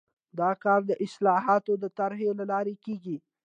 دا کار د اصلاحاتو د طرحې له لارې کیږي.